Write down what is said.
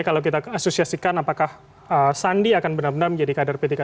kalau kita asosiasikan apakah sandi akan benar benar menjadi kader ptk tahun ini